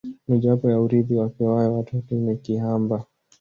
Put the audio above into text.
Mojawapo ya urithi wapewayo watoto ni kihamba